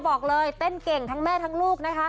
บอกเลยเต้นเก่งทั้งแม่ทั้งลูกนะคะ